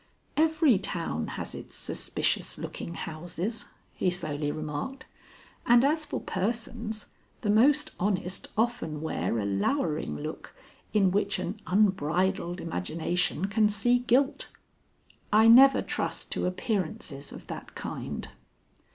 "Every town has its suspicious looking houses," he slowly remarked, "and, as for persons, the most honest often wear a lowering look in which an unbridled imagination can see guilt. I never trust to appearances of that kind."